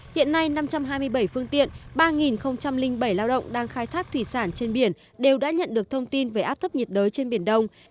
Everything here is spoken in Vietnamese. hiện nay năm trăm hai mươi bảy phương tiện ba bảy lao động đang khai thác thủy sản trên biển đều đã nhận được thông tin về áp thấp nhiệt đới trên biển đông